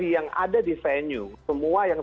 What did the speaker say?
yang ada di venue semua yang